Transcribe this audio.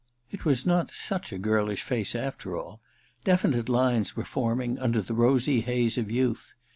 It was not such a girlish face, after all— definite lines were forming under the rosy haze of youth.